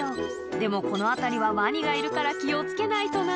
「でもこの辺りはワニがいるから気を付けないとな」